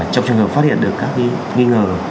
trong trường hợp phát hiện được các nghi ngờ